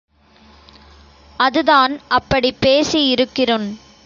அதுதான் அப்படி பேசி இருக்கிருன்.